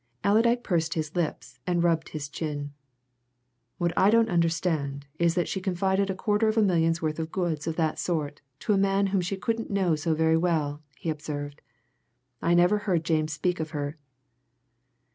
Allerdyke pursed his lips and rubbed his chin. "What I don't understand is that she confided a quarter of a million's worth of goods of that sort to a man whom she couldn't know so very well," he observed. "I never heard James speak of her."